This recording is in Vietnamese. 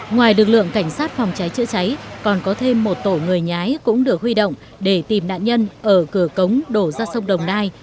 ngoài lực lượng cảnh sát phòng cháy chữa cháy còn có thêm một tổ người nhái cũng được huy động để tìm nạn nhân ở cửa cống đổ ra sông đồng nai